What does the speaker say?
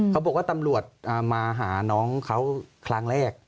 เขาบอกว่าตำรวจมาหาน้องเขาครั้งแรก